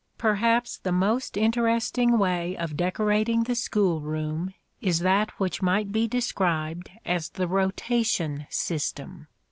Perhaps the most interesting way of decorating the school room is that which might be described as the rotation system.